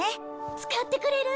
使ってくれる？